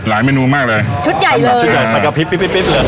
หลายเมนูมากเลยชุดใหญ่เลยชุดใหญ่สักกับพลิฟต์เลย